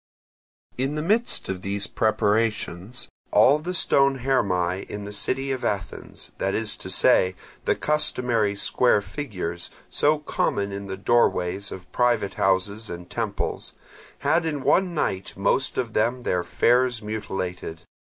In the midst of these preparations all the stone Hermae in the city of Athens, that is to say the customary square figures, so common in the doorways of private houses and temples, had in one night most of them their fares mutilated.